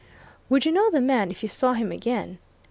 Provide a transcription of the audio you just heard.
"Would you know the man if you saw him again?"